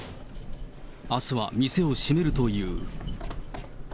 あすは店を閉めるという。